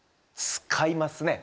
使いますね。